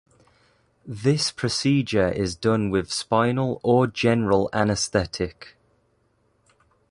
This procedure is done with spinal or general anaesthetic.